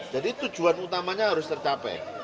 jadi tujuan utamanya harus tercapai